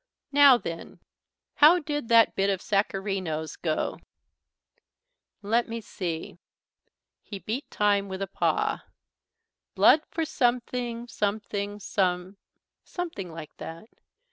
"Now then, how did that bit of Sacharino's go? Let me see." He beat time with a paw. "'Blood for something, something, some ' Something like that.